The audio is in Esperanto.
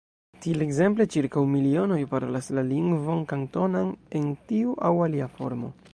Tiel ekzemple ĉirkaŭ milionoj parolas la lingvon Kantonan en tiu aŭ alia formo.